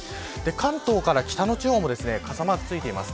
関東から北の地方も傘マークがついています。